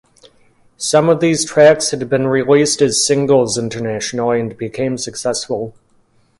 Some of these tracks had been released as singles internationally and became successful.